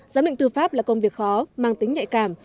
giám định tư pháp là công việc khó mang tính nhạy cảm